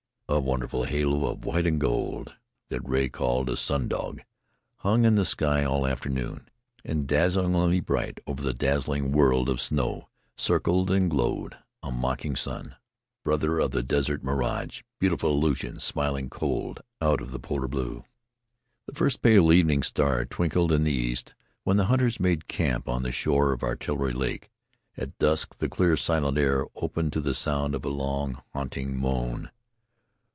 A wonderful halo of white and gold, that Rea called a sun dog, hung in the sky all afternoon, and dazzlingly bright over the dazzling world of snow circled and glowed a mocking sun, brother of the desert mirage, beautiful illusion, smiling cold out of the polar blue. The first pale evening star twinkled in the east when the hunters made camp on the shore of Artillery Lake. At dusk the clear, silent air opened to the sound of a long, haunting mourn.